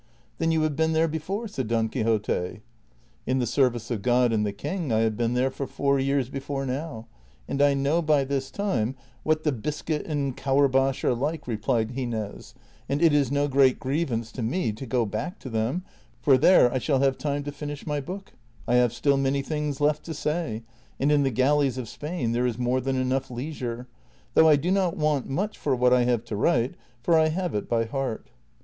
" Then you have been there ]:)ef ore ?" said Don Quixote. " In the service of God and the king I have been there for four years before now, and I know by this time what the biscuit and courbash are like," replied Gines ;'' and it is no great grievance to me to go back to them, for there I shall have time to finish my book ; I have still many things left to say, and in the galleys of Spain there is more than enough leisure ; though I do not want much for what I have to write, for I have it by heart."